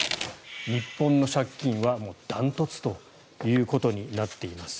日本の借金は断トツとなっています。